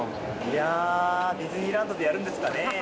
いや、ディズニーランドでやるんですかね。